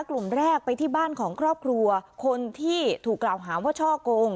กลุ่มแรกไปที่บ้านของครอบครัวคนที่ถูกกล่าวหาว่าช่อกง